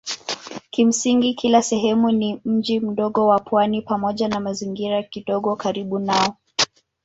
Kimsingi kila sehemu ni mji mdogo wa pwani pamoja na mazingira kidogo karibu nao.